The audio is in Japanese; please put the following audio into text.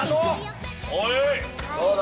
どうだ？